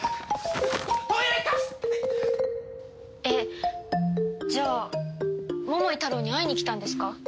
えっじゃあ桃井タロウに会いに来たんですか？